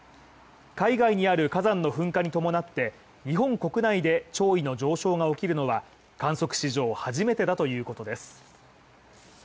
海外にある火山の噴火に伴って、日本国内で潮位の上昇が起きるのは観測史上初めてだということです。